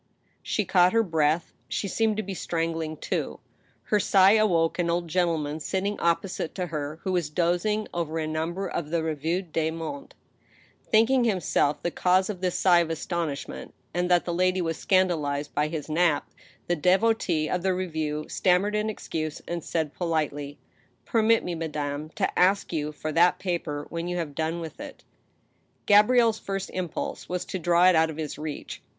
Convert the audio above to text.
She caught her breath. She seemed to be strangling, too. rfer sigh awoke an old gentleman sitting opposite to her, who was dozing over a number of the " Revue des Deux Mondes." 228 THE STEEL HAMMER. Thinking himself the cause of this sigh of astonishment, and that the lady was scandalized by his nap, the devotee of the " Revue " stammered an excuse, and said, politely :" Permit me, madame, to ask you for that paper when you have done with it." Gabrielle's first impulse was to draw it out of his reach.